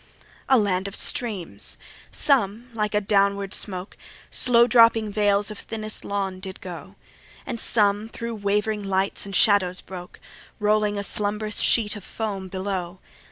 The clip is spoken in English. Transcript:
A land of streams! some, like a downward smoke, Slow dropping veils of thinnest lawn, did go; And some thro' wavering lights and shadows broke, Rolling a slumbrous sheet of foam below.